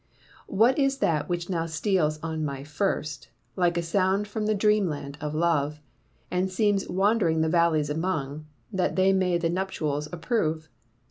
What is that which now steals on my first, Like a sound from the dreamland of love, And seems wand'ring the valleys among, That they may the nuptials approve?